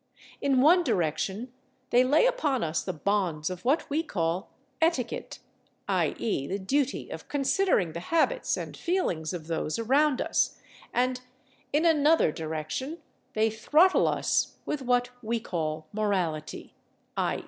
In one direction they lay upon us the bonds of what we call etiquette, i. e., the duty of considering the habits and feelings of those around us—and in another direction they throttle us with what we call morality—_i.